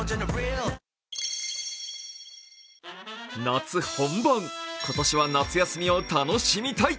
夏本番、今年は夏休みを楽しみたい。